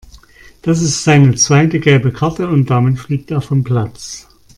Das ist seine zweite gelbe Karte und damit fliegt er vom Platz.